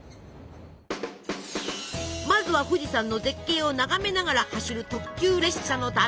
まずは富士山の絶景を眺めながら走る特急列車の旅！